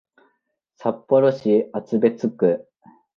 札幌市厚別区